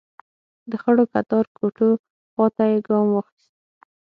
د خړو کتار کوټو خواته يې ګام واخيست.